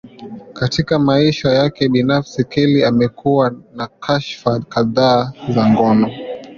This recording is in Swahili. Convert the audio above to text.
Katika maisha yake binafsi, Kelly amekuwa na kashfa kadhaa za ngono.